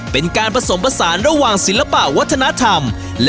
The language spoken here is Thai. เป็นการผสมผสานระหว่างศิลปะวัฒนธรรม